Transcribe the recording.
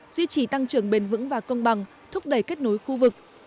duy trì tăng trưởng bền vững và công bằng thúc đẩy kết nối khu vực